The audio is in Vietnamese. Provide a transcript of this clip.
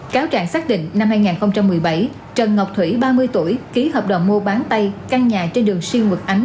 cáo trạng xác định năm hai nghìn một mươi bảy trần ngọc thủy ba mươi tuổi ký hợp đồng mua bán tay căn nhà trên đường siêu nguyệt ánh